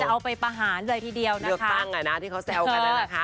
อ๋อจะเอาไปประหารเลยทีเดียวเลือกตั้งน่ะน่ะที่เค้าแซวกันแล้วนะคะ